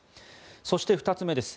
そして２つ目です。